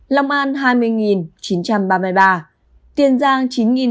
lòng an hai mươi chín trăm ba mươi ba tiền giang chín hai trăm một mươi bảy